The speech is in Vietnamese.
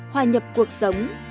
hòa nhập cuộc sống